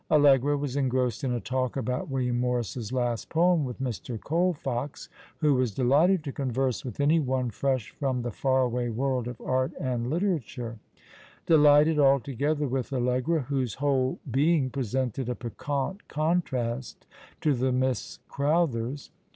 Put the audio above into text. Allegra was engrossed in a talk about William Morris's last poem with Mr. Colfox, who was delighted to converse with any one fresh from the far away world of art and literature — delighted altogether with Allegra, whose whole being presented a piquant contrast to the Miss Crow thers.